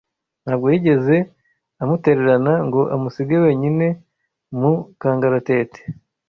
ntabwo yigeze amutererana ngo amusige wenyine mu kangaratete